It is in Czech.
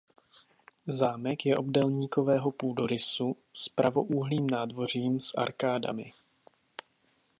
Zámek je obdélníkového půdorysu s pravoúhlým nádvořím s arkádami.